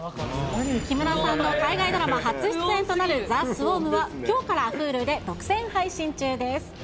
木村さんの海外ドラマ初出演となるザ・スウォームは、きょうからＨｕｌｕで独占配信中です。